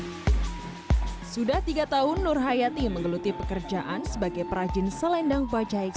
hai sudah tiga tahun nur hayati menggeluti pekerjaan sebagai perajin salendang bajaik